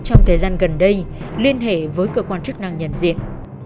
trong thời gian gần đây liên hệ với cơ quan chức năng nhận diện